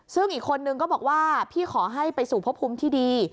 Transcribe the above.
ซึ่งอีกคนนึงก็บอกว่าพี่ขอให้ไปสู่พบภูมิที่ดี